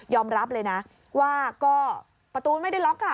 อมรับเลยนะว่าก็ประตูไม่ได้ล็อก